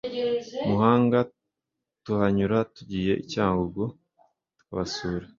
Muhanga tuhanyura tugiye icyangugu tukabasura